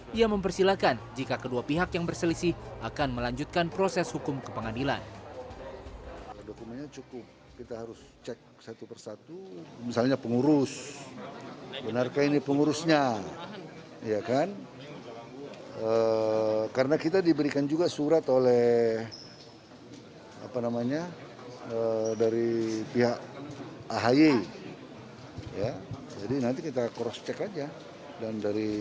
dia mempersilahkan jika kedua pihak yang berselisih akan melanjutkan proses hukum kepengadilan